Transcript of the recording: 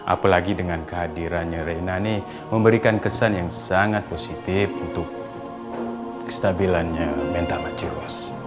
apalagi dengan kehadirannya reina ini memberikan kesan yang sangat positif untuk kestabilannya mental nageros